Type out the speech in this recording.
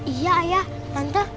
iya ayah tante